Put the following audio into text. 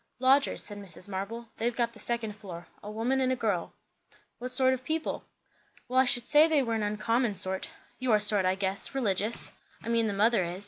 "Lodgers," said Mrs. Marble. "They've got the second floor. A woman and a girl." "What sort of people?" "Well, I should say they were an uncommon sort. Your sort, I guess. Religious. I mean the mother is.